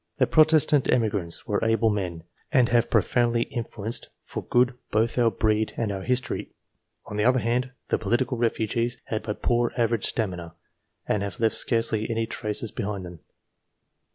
The Protestant emigrants were able men, and have profoundly influenced for good both our breed and our history ; on the other hand, the political refugees had but poor average stamina, and have left scarcely any traces behind them.